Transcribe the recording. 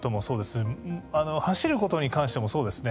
走ることに関してもそうですね。